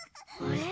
あれ？